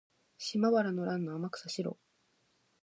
島原の乱の天草四郎